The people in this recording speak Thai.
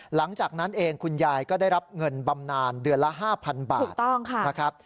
หลังจากนั้นเองคุณยายก็ได้รับเงินบำนานเดือนละ๕๐๐บาทนะครับ